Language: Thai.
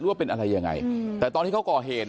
ว่าเป็นอะไรยังไงแต่ตอนที่เขาก่อเหตุ